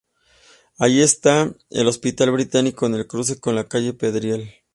Allí está el Hospital Británico, en el cruce con la calle Perdriel.